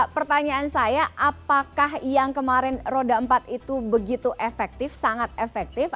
pertanyaan saya apakah yang kemarin roda empat itu begitu efektif sangat efektif